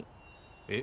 えっ？